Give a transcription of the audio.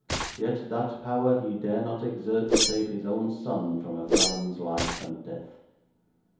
Yet that power he dare not exert to save his own son from a felon's life and death.